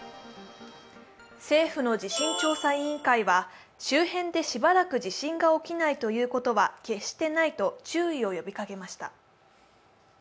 政府の地震調査委員会は周辺でしばらく地震が起きないということは決してないと注意を呼びかけました。